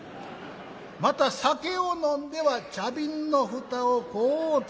また酒を飲んでは茶瓶の蓋をこうつ。